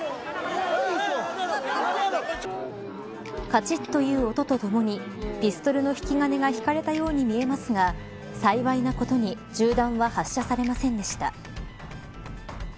かちっという音とともにピストルの引き金が引かれたように見えますが幸いなことに銃弾は発射されませんでした。